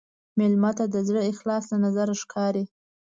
مېلمه ته د زړه اخلاص له نظره ښکاري.